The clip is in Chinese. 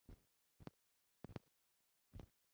看着外婆慈祥的笑容